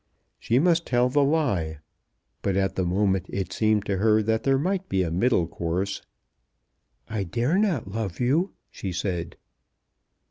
She must tell the lie; but at the moment it seemed to her that there might be a middle course. "I dare not love you," she said.